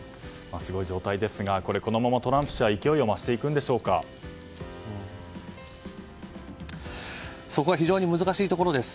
すごい状態ですがこのままトランプ氏はそこが非常に難しいところです。